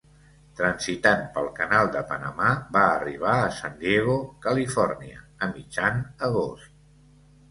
Transitant pel canal de Panamà, va arribar a San Diego, Califòrnia, a mitjan agost.